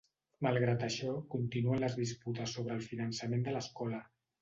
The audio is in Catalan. Malgrat això, continuen les disputes sobre el finançament de l'Escola.